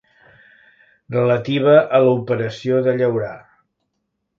Relativa a l'operació de llaurar.